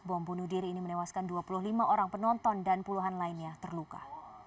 bom bunuh diri ini menewaskan dua puluh lima orang penonton dan puluhan lainnya terluka